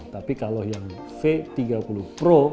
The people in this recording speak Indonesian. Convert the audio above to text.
tapi kalau yang v tiga puluh pro